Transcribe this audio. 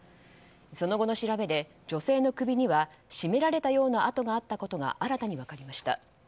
その後の調べで、女性の首には絞められたような痕があったことが新たにわかりました。